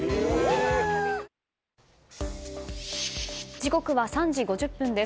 時刻は３時５０分です。